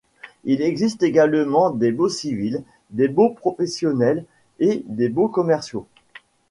Il existe également des baux civils, des baux professionnels et des baux commerciaux.